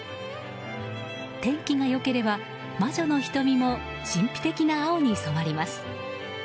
天気が良ければ魔女の瞳も神秘的な青に染まります。